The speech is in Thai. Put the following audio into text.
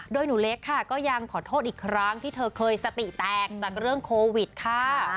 โดยหนูเล็กค่ะก็ยังขอโทษอีกครั้งที่เธอเคยสติแตกจากเรื่องโควิดค่ะ